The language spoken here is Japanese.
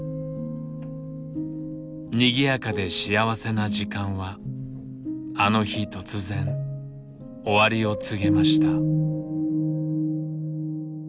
にぎやかで幸せな時間はあの日突然終わりを告げました。